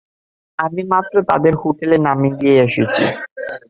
আমি মাত্র তাদের হোটেলে নামিয়ে দিয়ে এসেছি।